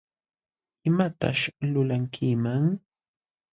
¿Imataćh lulankiman?